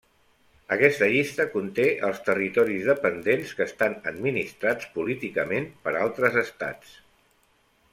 Aquesta llista conté els territoris dependents que estan administrats políticament per altres estats.